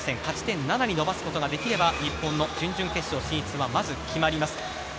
勝ち点７に伸ばすことができれば日本の準々決勝進出が決まります。